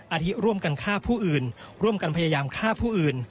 อาทิร่วมกันฆ่าผู้อื่นร่วมกันพยายามฆ่าผู้อื่น